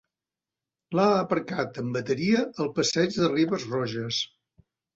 L'ha aparcat en bateria al passeig de Ribes Roges.